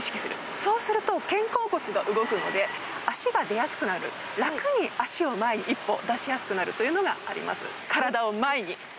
そうすると、肩甲骨が動くんで、脚が出やすくなる、楽に脚を前に一歩、出しやすくなるというのがあります。